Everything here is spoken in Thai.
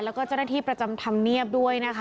แล้วก็เจ้าหน้าที่ประจำธรรมเนียบด้วยนะคะ